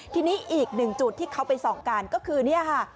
ทีนี้อีกหนึ่งจุดที่เขาไปส่องกันก็คือเนี่ยค่ะ